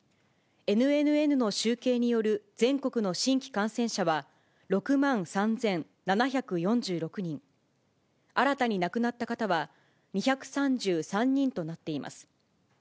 ＮＮＮの集計による全国の新規感染者は６万３７４６人、新たに亡くなった方は２３３人となっています。